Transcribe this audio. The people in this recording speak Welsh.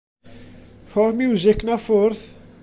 Rho'r miwsig 'na ffwrdd.